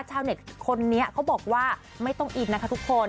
ชาวเน็ตคนนี้เขาบอกว่าไม่ต้องอินนะคะทุกคน